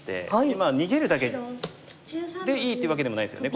今逃げるだけでいいってわけでもないですよね。